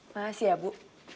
makasih ya bu